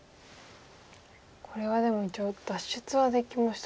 これはでも一応脱出はできましたか。